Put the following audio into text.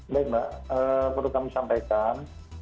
baik mbak perlu kami sampaikan